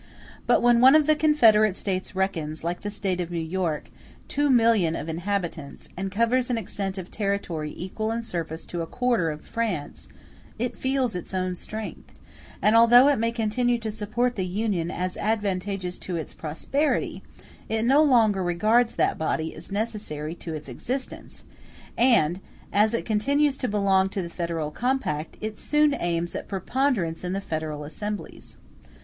But when one of the confederate States reckons, like the State of New York, 2,000,000 of inhabitants, and covers an extent of territory equal in surface to a quarter of France, *h it feels its own strength; and although it may continue to support the Union as advantageous to its prosperity, it no longer regards that body as necessary to its existence, and as it continues to belong to the federal compact, it soon aims at preponderance in the federal assemblies.